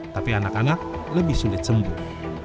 tapi anak anak lebih sulit sembuh